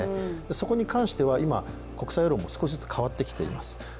そこに関しては今、国際世論も少しずつ変わってきています。